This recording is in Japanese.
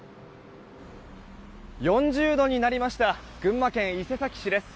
４０度になりました群馬県伊勢崎市です。